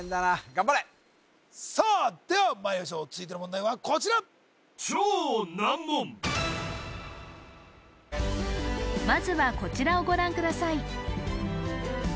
頑張れさあではまいりましょう続いての問題はこちらまずはこちらをご覧ください